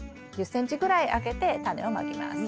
１０ｃｍぐらい空けてタネをまきます。